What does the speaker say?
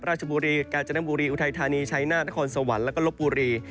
ปราชบุรีอย่างจะเรื่องบุรีอุธัยธานีชัยน่านครสวรรค์แล้วก็ลบบุรี